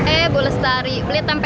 eh bu lestari beli penutup